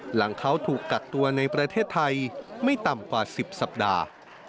หลังเขาถูกกักตัวในประเทศไทยไม่ต่ำกว่า๑๐สัปดาห์